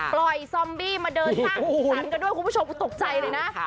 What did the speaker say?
ปล่อยซอมบี้มาเดินท่านติดสารกันด้วยคุณผู้ชมตกใจเลยนะ